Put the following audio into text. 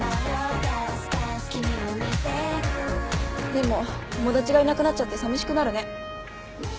でも友達がいなくなっちゃってさみしくなるね。